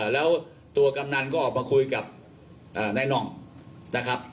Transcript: แล้วตัวกำนันก็ออกมาคุยกับนายน่องนะครับ